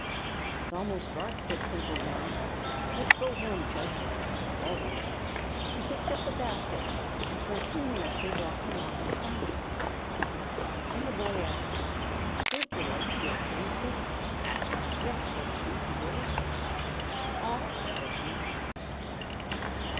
"It's almost dark," said Twinkle, yawning. "Let's go home, Chub." "All right." He picked up the basket, and for a few minutes they walked along in silence. Then the boy asked: "Don't your legs feel heavy, Twink?" "Yes," said she; "do yours?" "Awful," said he.